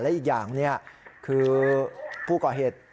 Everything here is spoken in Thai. และอีกอย่างคือผู้ก่อเหตุ